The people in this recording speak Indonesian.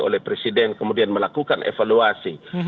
oleh presiden kemudian melakukan evaluasi